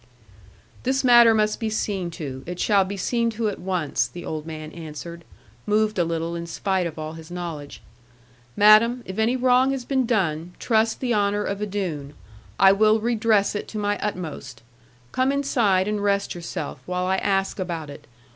'This matter must be seen to; it shall be seen to at once,' the old man answered, moved a little in spite of all his knowledge. 'Madam, if any wrong has been done, trust the honour of a Doone; I will redress it to my utmost. Come inside and rest yourself, while I ask about it.